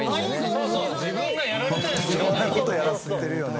いろんなことやらせてるよね。